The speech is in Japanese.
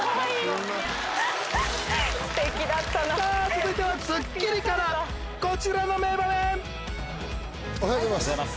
続いては『スッキリ』からこちらの名場面！おはようございます。